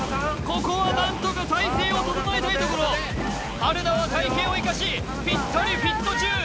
ここは何とか体勢を整えたいところ春菜は体形を生かしぴったりフィット中